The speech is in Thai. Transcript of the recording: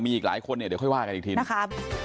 มีอีกหลายคนเนี่ยเดี๋ยวค่อยว่ากันอีกทีนะครับ